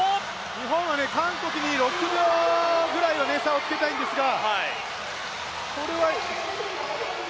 日本は韓国に６秒差ぐらいはつけたいんですが。